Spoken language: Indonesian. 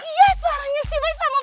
iya suaranya si boy sama papanya